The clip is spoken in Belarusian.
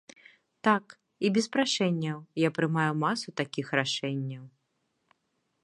Так, і без прашэнняў я прымаю масу такіх рашэнняў.